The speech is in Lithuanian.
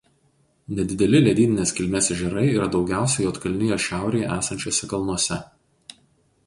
Nedideli ledyninės kilmės ežerai yra daugiausia Juodkalnijos šiaurėje esančiuose kalnuose.